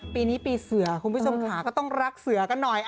ปีนี้ปีเสือคุณผู้ชมค่ะก็ต้องรักเสือกันหน่อย